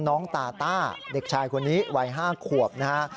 น้องตาต้าเด็กชายคนนี้วัย๕ขวบนะฮะ